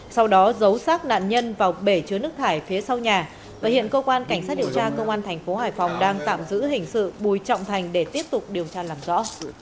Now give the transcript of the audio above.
sau đó giấu sát nạn nhân vào bể chứa nước thải phía sau nhà và hiện cơ quan cảnh sát điều tra công an thành phố hải phòng đang tạm giữ hình sự bùi trọng thành để tiếp tục điều tra làm rõ